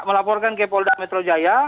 melaporkan ke polda metro jaya